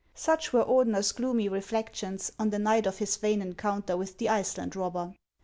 Such were Ordener's gloomy reflections on the night of his vain encounter with the Iceland robber.